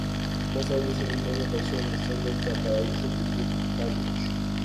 Más tarde, ese mismo año, apareció en "Stranger Than Paradise" de Jim Jarmusch.